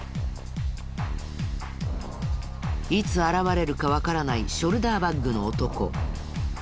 いつ現れるかわからないショルダーバッグの男。